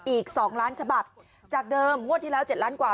อีก๒ล้านฉบับจากเดิมงวดที่แล้ว๗ล้านกว่า